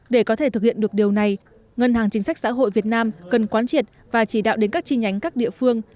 để có thể thực hiện được điều này ngân hàng chính sách xã hội việt nam cần quán triệt và chỉ đạo đến các chi nhánh các địa phương